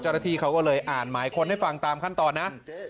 เจ้าหน้าที่เขาก็เลยอ่านหมายค้นให้ฟังตามขั้นตอนนะ